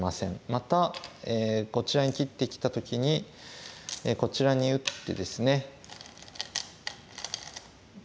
またこちらに切ってきた時にこちらに打ってですね。